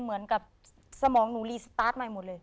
เหมือนกับสมองหนูรีสตาร์ทใหม่หมดเลย